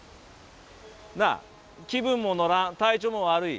なあ気分も乗らん体調も悪い。